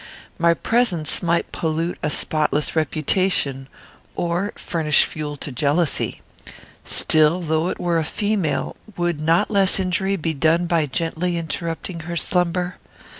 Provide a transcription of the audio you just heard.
My presence might pollute a spotless reputation, or furnish fuel to jealousy. Still, though it were a female, would not less injury be done by gently interrupting her slumber?